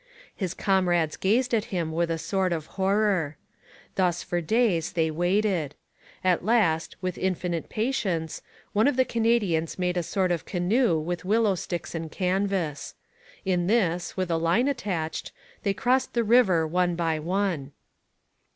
His comrades gazed at him with a sort of horror. Thus for days they waited. At last, with infinite patience, one of the Canadians made a sort of canoe with willow sticks and canvas. In this, with a line attached, they crossed the river one by one.